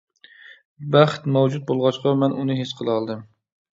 بەخت مەۋجۇت بولغاچقا، مەن ئۇنى ھېس قىلالىدىم.